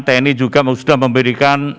tni juga sudah memberikan